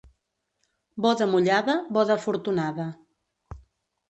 Boda mullada, boda afortunada.